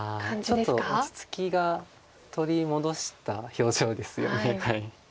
ちょっと落ち着きが取り戻した表情ですよね。